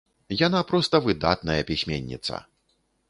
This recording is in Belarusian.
Яна проста выдатная пісьменніца!